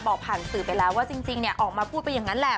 บอกผ่านสื่อไปแล้วว่าจริงเนี่ยออกมาพูดไปอย่างนั้นแหละ